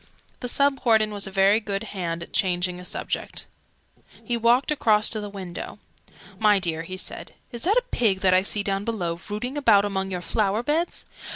The Sub Warden was a very good hand at changing a subject. He walked across to the window. "My dear," he said, "is that a pig that I see down below, rooting about among your flower beds?"